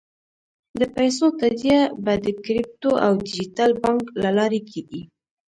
د پیسو تادیه به د کریپټو او ډیجیټل بانک له لارې کېږي.